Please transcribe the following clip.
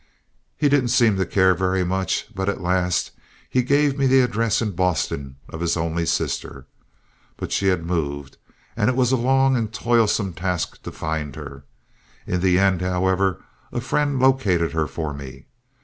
He didn't seem to care very much, but at last he gave me the address in Boston of his only sister. But she had moved, and it was a long and toilsome task to find her. In the end, however, a friend located her for me.